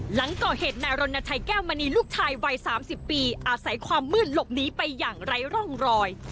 หลังก่อเหตุนายรณชัยแก้วมณีลูกชายวัย๓๐ปีอาศัยความมืดหลบหนีไปอย่างไร้ร่องรอย